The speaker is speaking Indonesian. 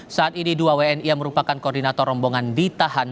saat ini dua wni yang merupakan koordinator rombongan ditahan